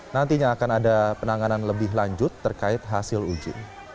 nantinya akan ada penanganan lebih lanjut terkait hasil uji